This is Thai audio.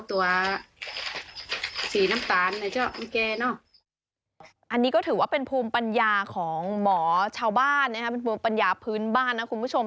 อันนี้ก็ถือว่าเป็นภูมิปัญญาของหมอชาวบ้านนะครับเป็นภูมิปัญญาพื้นบ้านนะคุณผู้ชม